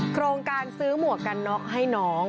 โครงการซื้อหมวกกันน็อกให้น้อง